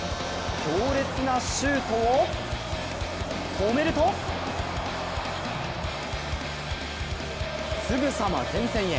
強烈なシュートを止めるとすぐさま前線へ！